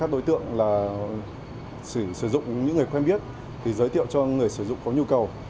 đối tượng là sử dụng những người quen biết thì giới thiệu cho người sử dụng có nhu cầu